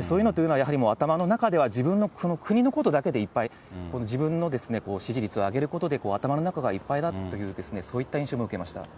そういうのというのは、やはり頭の中では自分の国のことだけでいっぱい、自分の支持率を上げることで頭の中がいっぱいだという、そういった印象も受けました。